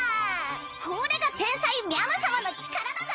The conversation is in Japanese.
これが天才みゃむ様の力だぞ！